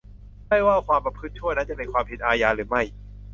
ไม่ว่าความประพฤติชั่วนั้นจะเป็นความผิดอาญาหรือไม่